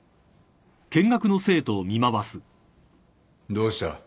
どうした？